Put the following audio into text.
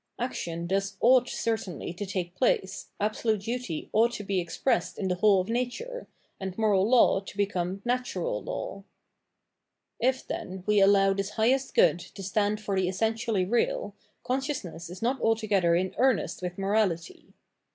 Action thus ougM certainly to take place, absolute duty ought to be expressed in the whole of nature, and " moral law " to become " natural law." 620 Dissemhlance If, tten, we allow tMs highest good to stand for the essentially real, conscionsness is not altogether in earnest with morality.